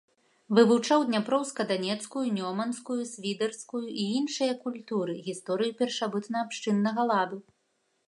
Вывучаў дняпроўска-данецкую, нёманскую, свідэрскую і іншыя культуры, гісторыю першабытна-абшчыннага ладу.